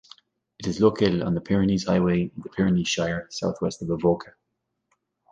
It is located on the Pyrenees Highway in the Pyrenees Shire, south-west of Avoca.